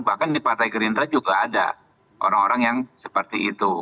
bahkan di partai gerindra juga ada orang orang yang seperti itu